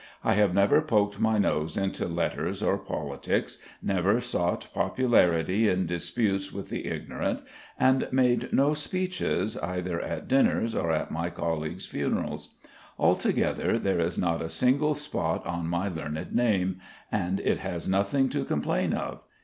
I have never poked my nose into letters or politics, never sought popularity in disputes with the ignorant, and made no speeches either at dinners or at my colleagues' funerals. Altogether there is not a single spot on my learned name, and it has nothing to complain of.